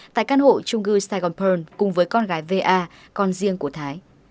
tại căn hộ trung gư saigon pearl cùng với con gái va con riêng của thái